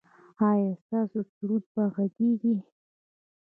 ایا ستاسو سرود به غږیږي؟